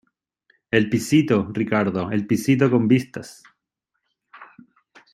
el pisito, Ricardo , el pisito con vistas.